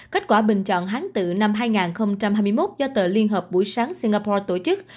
kết quả bình chọn hán tự năm hai nghìn hai mươi một do tờ liên hợp buổi sáng singapore tổ chức